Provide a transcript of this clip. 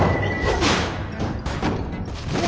うわ！